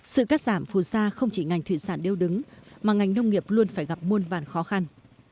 sự cắt giảm phù sa không chỉ ngành thủy sản đeo đứng mà ngành nông nghiệp luôn phải gặp muôn vàn khó khăn